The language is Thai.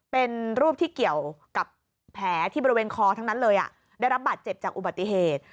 เป็นรูปที่เกี่ยวกับแผลที่บริเวณคอทั้งนั้นเลยได้รับบาดเจ็บจากอุบัติเหตุ